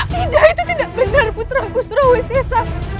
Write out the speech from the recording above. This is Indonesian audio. tidak itu tidak benar putra kustro wc sah